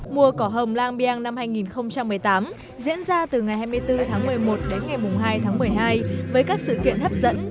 mùa cỏ hồng lang biang năm hai nghìn một mươi tám diễn ra từ ngày hai mươi bốn tháng một mươi một đến ngày hai tháng một mươi hai với các sự kiện hấp dẫn